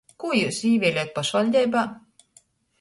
Kū jius īvieliejot pošvaļdeibā?